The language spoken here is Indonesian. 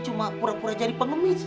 cuma pura pura jadi pengemis